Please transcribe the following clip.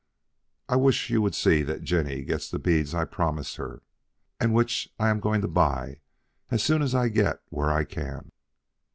"I wish you would see that Jinny gets the beads I promised her and which I am going to buy as soon as I get where I can."